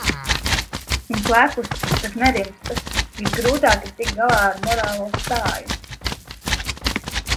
Un, klepus – tas nerimstas. Visgrūtāk ir tikt galā ar "morālo stāju".